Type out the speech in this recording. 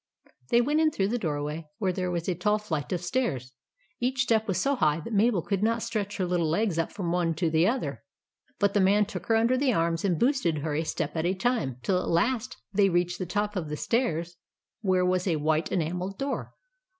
They went in through the doorway, where there was a tall flight of stairs. Each step was so high that Mabel could not stretch her little legs up from one to the other ; but the man took her under the arms and boosted her a step at a time, till at last they reached THE GIANT'S CASTLE 169 the top of the stairs, where was a white, enamelled door.